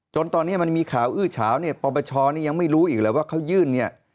จนตอนนี้มันมีข่าวอื้อเฉาเนี่ยปปชนี่ยังไม่รู้อีกแล้วว่าเขายื่นเนี่ย